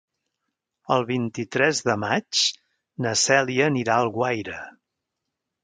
El vint-i-tres de maig na Cèlia anirà a Alguaire.